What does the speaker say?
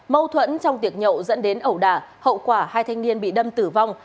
mâu thuẫn trong tiệc nhậu dẫn đến ẩu đả hậu quả hai thanh niên bị đâm tử vong